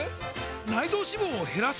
内臓脂肪を減らす！？